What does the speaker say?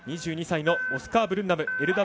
２２歳のオスカー・ブルンナム。